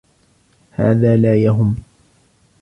هذا لا يهم.